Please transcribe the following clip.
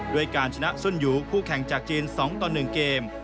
ด้วยการชนะส้นอยู่ผู้แข่งจากจีนสองต่อหนึ่งเกม